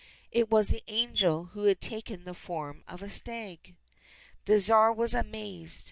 It was the angel who had taken the form of a stag. The Tsar was amazed.